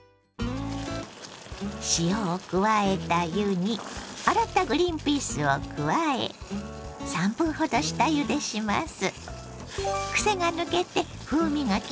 塩を加えた湯に洗ったグリンピースを加え３分ほど下ゆでします。